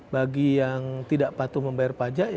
bagi yang tidak patuh membayar pajak